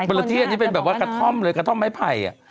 ละที่อันนี้เป็นแบบว่ากระท่อมเลยกระท่อมไม้ไผ่